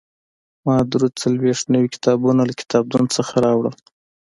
ما درې څلوېښت نوي کتابونه له کتابتون څخه راوړل.